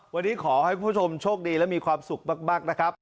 วันนี้ขอให้คุณผู้ชมโชคดีและมีความสุขมากนะครับ